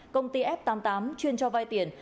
công ty f tám mươi tám chuyên cho vay tiền